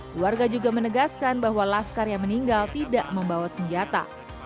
keluarga juga menegaskan bahwa laskar yang meninggal tidak membawa senjata